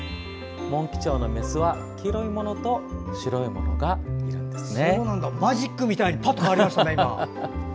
モンキチョウのメスは黄色いものと白いものがいるんですね。